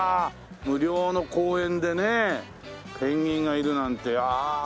無料の公園でねペンギンがいるなんてああ。